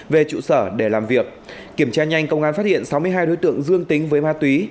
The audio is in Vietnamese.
về trụ sở để làm việc kiểm tra nhanh công an phát hiện sáu mươi hai đối tượng dương tính với ma túy